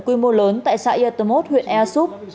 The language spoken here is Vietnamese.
quy mô lớn tại xã yatomot huyện easup